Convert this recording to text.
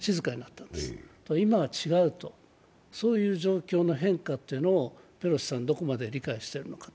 今は違うという状況の変化というのをペロシさん、どこまで理解しているのか。